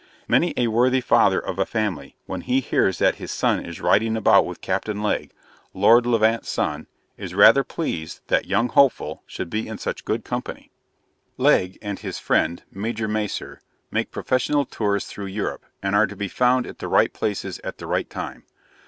Many a worthy father of a family, when he hears that his son is riding about with Captain Legg, Lord Levant's son, is rather pleased that young Hopeful should be in such good company. Legg and his friend, Major Macer, make professional tours through Europe, and are to be found at the right places at the right time.